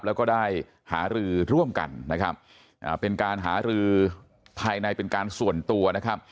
แล้วก็ได้หารือร่วมกันนะครับเป็นการหารือภายในเป็นการส่วนตัวนะครับ